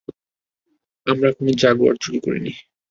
আমরা কোনো জাগুয়ার চুরি করিনি।